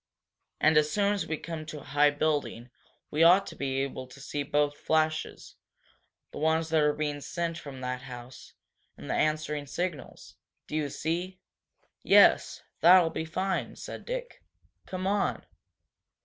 And as soon as we come to a high building we ought to be able to see both flashes the ones that are being sent from that house and the answering signals. Do you see?" "Yes, that'll be fine!" said Dick. "Come on!"